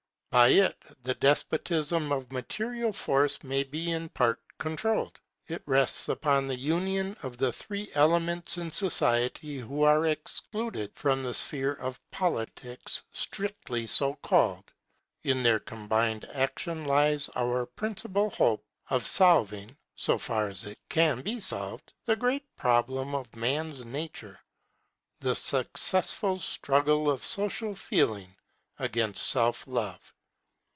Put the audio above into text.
By it the despotism of material force may be in part controlled. It rests upon the union of the three elements in society who are excluded from the sphere of politics strictly so called. In their combined action lies our principal hope of solving, so far as it can be solved, the great problem of man's nature, the successful struggle of Social Feeling against Self love.